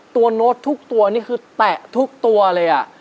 ตัวโน้ตทุกส่วนนี้คือแตะทุกตัวเลย